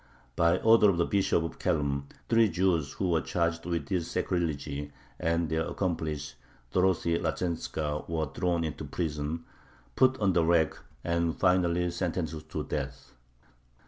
By order of the Bishop of Khelm three Jews who were charged with this sacrilege and their accomplice Dorothy Lazhentzka were thrown into prison, put on the rack, and finally sentenced to death.